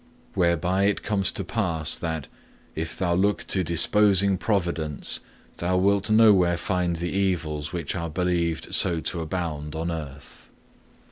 Whereby it comes to pass that, if thou look to disposing providence, thou wilt nowhere find the evils which are believed so to abound on earth.